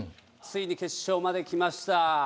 ついに決勝まで来ました。